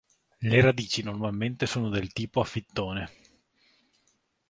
Le radici normalmente sono del tipo a fittone.